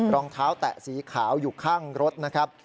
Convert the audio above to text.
รองเท้าแตะสีขาวอยู่ข้างรถนะครับ